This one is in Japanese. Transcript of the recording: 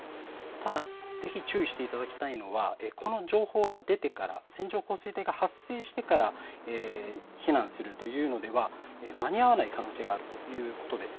ただ、ぜひ注意していただきたいのはこの情報が出てから、線状降水帯が発生してから、避難するというのでは間に合わない可能性があるということです。